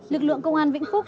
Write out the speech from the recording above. lực lượng công an vĩnh phúc